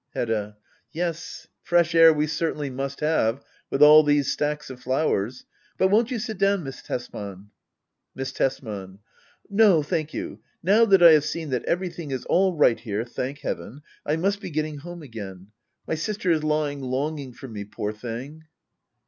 Hedda. Yes, fresh air we certainly must have, with all these stacks of flowers . But — won't you sit down. Miss Tesman ? Miss Tesman. No, thank you. Now that I have seen that everything is all right here — thank heaven! — I must be getting home again. My sister is lying longing for me, poor thing.